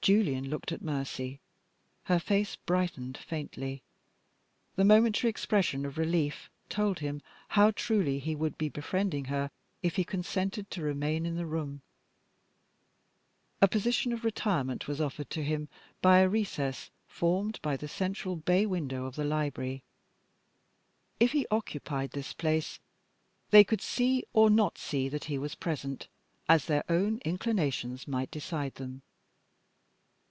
Julian looked at Mercy. Her face brightened faintly. That momentary expression of relief told him how truly he would be befriending her if he consented to remain in the room. A position of retirement was offered to him by a recess formed by the central bay window of the library. If he occupied this place, they could see or not see that he was present, as their own inclinations might decide them.